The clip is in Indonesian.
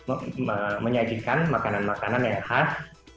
tentu buka puasa itu kami menyajikan makanan makanan yang khas